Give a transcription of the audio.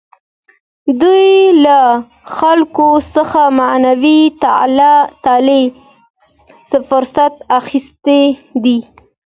دوی له خلکو څخه معنوي تعالي فرصت اخیستی دی.